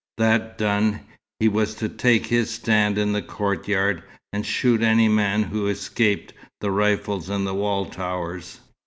That done, he was to take his stand in the courtyard, and shoot any man who escaped the rifles in the wall towers.